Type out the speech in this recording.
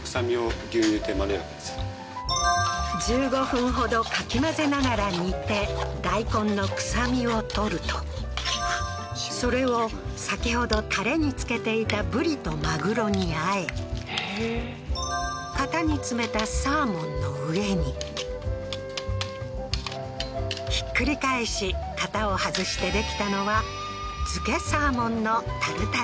１５分ほどかき混ぜながら煮て大根の臭みを取るとそれを先ほどタレに漬けていたブリとマグロに和え型に詰めたサーモンの上にひっくり返し型を外してできたのはほうー